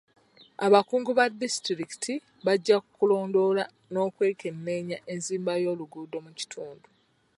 Abakungu ba disitulikiti bajja kulondoola n'okwekenneenya enzimba y'oluguudo mu kitundu.